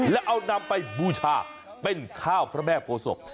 แล้วเอานำไปบูชาเป็นข้าวพระแม่โพศพ